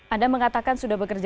anda mengatakan sudah bekerja